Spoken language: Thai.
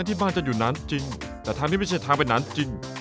ที่บ้านจะอยู่นานจริงแต่ทางนี้ไม่ใช่ทางเป็นน้ำจริง